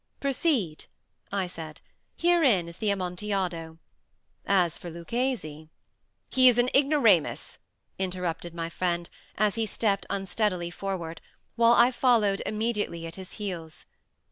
"Proceed," I said; "herein is the Amontillado. As for Luchesi—" "He is an ignoramus," interrupted my friend, as he stepped unsteadily forward, while I followed immediately at his heels.